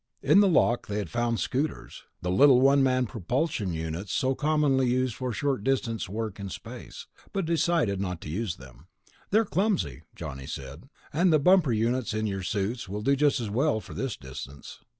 In the lock they had found scooters ... the little one man propulsion units so commonly used for short distance work in space ... but decided not to use them. "They're clumsy," Johnny said, "and the bumper units in your suits will do just as well for this distance."